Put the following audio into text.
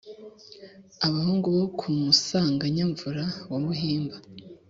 abahungu bo ku musanganyamvura wa buhimba,